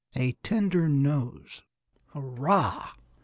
IV A TENDER NOSE "HURRAH!"